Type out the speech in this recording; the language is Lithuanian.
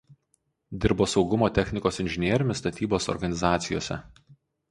Dirbo saugumo technikos inžinieriumi statybos organizacijose.